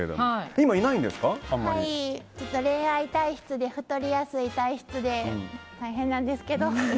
恋愛体質で太りやすい体質で大変なんですけど。